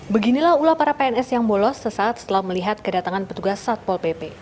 beginilah ulah para pns yang bolos sesaat setelah melihat kedatangan petugas satpol pp